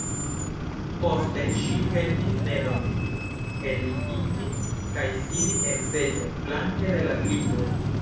Poste ŝi helpis Nedon ellitiĝi kaj sidi en seĝo flanke de la lito.